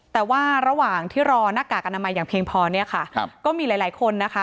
แต่ว่าระหว่างที่รอหน้ากากอนามัยอย่างเพียงพอเนี่ยค่ะครับก็มีหลายหลายคนนะคะ